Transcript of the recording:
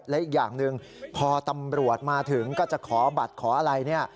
และอีกอย่างหนึ่งพอตำรวจมาถึงก็จะขอบัตรขออะไรเนี่ย